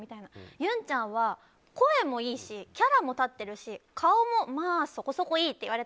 ゆんちゃんは声もいいしキャラもたってるし顔もまあそこそこいいって。